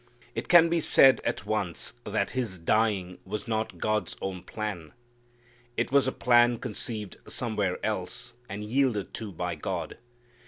It can be said at once that His dying was not God's own plan. It was a plan conceived somewhere else, and yielded to by God.